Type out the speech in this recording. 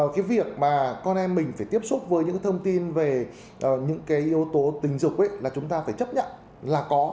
cái việc mà con em mình phải tiếp xúc với những cái thông tin về những cái yếu tố tình dục ấy là chúng ta phải chấp nhận là có